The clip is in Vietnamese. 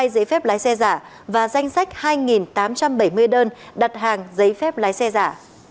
hai giấy phép lái xe giả và danh sách hai tám trăm bảy mươi đơn đặt hàng giấy phép lái xe giả